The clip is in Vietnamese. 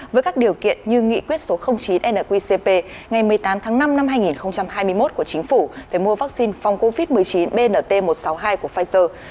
với các điều kiện như nghị quyết số chín nqcp ngày một mươi tám tháng năm năm hai nghìn hai mươi một của chính phủ về mua vaccine phong covid một mươi chín bnt một trăm sáu mươi hai của pfizer